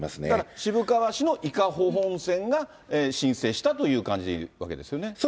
だから、渋川市の伊香保温泉が申請したという感じでいくわけですよね。